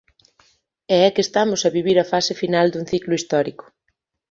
E é que estamos a vivir a fase final dun ciclo histórico.